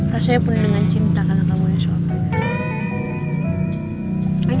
rasanya penuh dengan cinta kalau kamu yang suapin